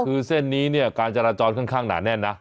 คือเส้นนี้เนี่ยการจราจรค่อนข้างหนาแน่นนะ